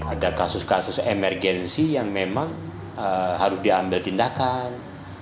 ada kasus kasus emergensi yang memang harus diambil tindakan